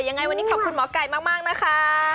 ยังไงวันนี้ขอบคุณหมอไก่มากนะคะ